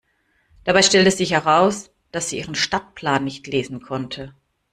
Dabei stellte sich heraus, dass sie ihren Stadtplan nicht lesen konnte.